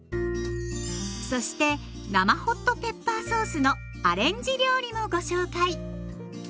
そして生ホットペッパーソースのアレンジ料理もご紹介。